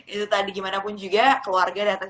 itu tadi gimana pun juga keluarga datang